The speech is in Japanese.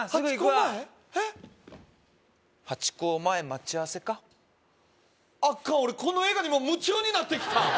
前えっハチ公前待ち合わせかアカン俺この映画にもう夢中になってきた